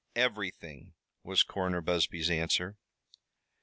"Everything," was Coroner Busby's answer.